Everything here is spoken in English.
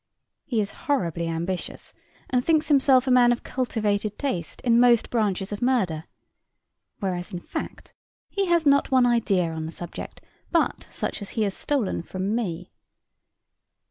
He is horribly ambitious, and thinks himself a man of cultivated taste in most branches of murder, whereas, in fact, he has not one idea on the subject, but such as he has stolen from me.